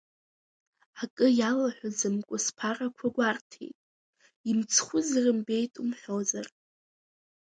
Акы иалаҳәаӡамкәа сԥарақәа гәарҭеит, имцхәыз рымбеит умҳәозар.